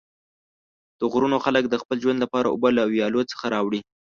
د غرونو خلک د خپل ژوند لپاره اوبه له ویالو څخه راوړي.